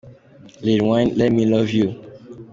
Lil Wayne – “Let Me Love You”.